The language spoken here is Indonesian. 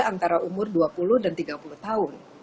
orang orang muda antara umur dua puluh dan tiga puluh tahun